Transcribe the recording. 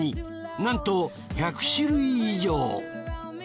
なんと１００種類以上。